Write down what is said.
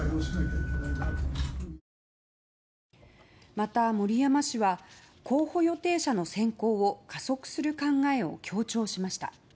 また、森山氏は候補予定者の選考を加速する考えを強調しました。